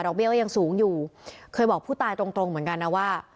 เบี้ยก็ยังสูงอยู่เคยบอกผู้ตายตรงตรงเหมือนกันนะว่า